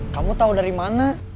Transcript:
kamu tahu dari mana